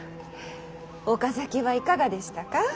岡崎はいかがでしたか？